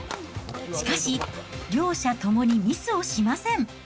しかし、両者ともにミスをしません。